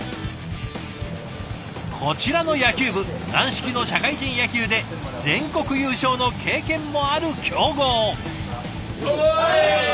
こちらの野球部軟式の社会人野球で全国優勝の経験もある強豪。